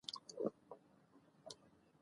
ژبې د افغانستان د بڼوالۍ یوه برخه ده.